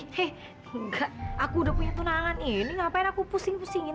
tidak saya sudah punya tunangan ini kenapa saya harus memusiknya